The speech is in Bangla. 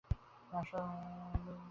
তিনি আশরাফ আলী থানভির অন্যতম প্রবীণ খলিফা।